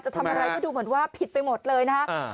ทำอะไรก็ดูเหมือนว่าผิดไปหมดเลยนะฮะ